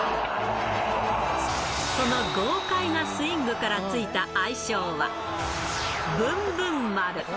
その豪快なスイングから付いた愛称はブンブン丸。